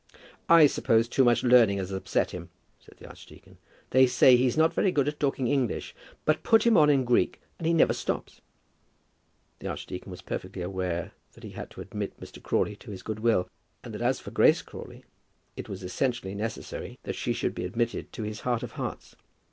"I suppose too much learning has upset him," said the archdeacon. "They say he's not very good at talking English, but put him on in Greek and he never stops." The archdeacon was perfectly aware that he had to admit Mr. Crawley to his goodwill, and that as for Grace Crawley, it was essentially necessary that she should be admitted to his heart of hearts.